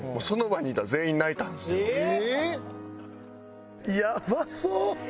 その場にいたやばそう！